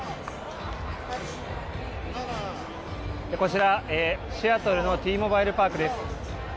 こちら、シアトルのＴモバイルパークです。